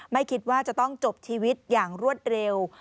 ไม่คิดว่าจะต้องจบชีวิตอย่างรวดเร็ว